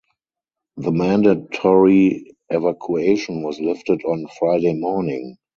The mandatory evacuation was lifted on Friday morning.